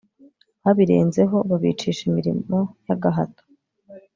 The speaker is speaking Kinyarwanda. babirenzeho babicisha imirimo y'agahato